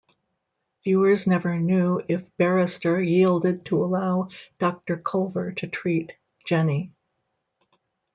Viewers never knew if Barrister yielded to allow Doctor Culver to treat Jenny.